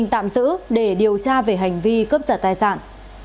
tạm giữ để điều tra về hành vi cướp giật tài sản